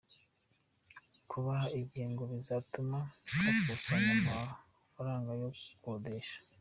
Kubaha igihe ngo bizatuma bakusanya amafaranga yo gukodesha.